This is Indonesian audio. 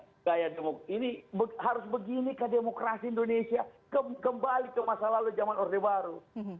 ini harus begini ke demokrasi indonesia kembali ke masa lalu zaman orde baru